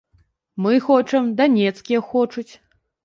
Мы хочам, данецкія хочуць.